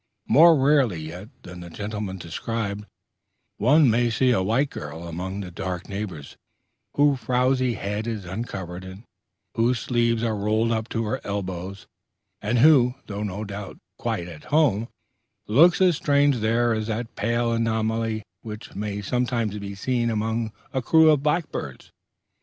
More rarely yet than the gentleman described, one may see a white girl among the dark neighbors, whose frowsy head is uncovered, and whose sleeves are rolled up to her elbows, and who, though no doubt quite at home, looks as strange there as that pale anomaly which may sometimes be seen among a crew of blackbirds.